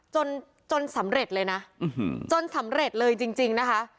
จนจนสำเร็จเลยนะจนสำเร็จเลยจริงนะคะ